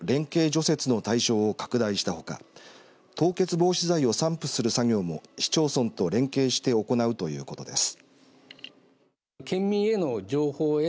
除雪の対象を拡大したほか凍結防止剤を散布する作業も市町村と連携して行うということです。